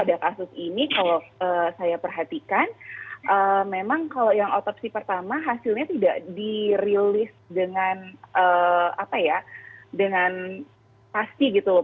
memang pada kasus ini kalau saya perhatikan memang kalau yang otopsi pertama hasilnya tidak dirilis dengan pasti gitu loh